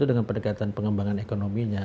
dengan pendekatan pengembangan ekonominya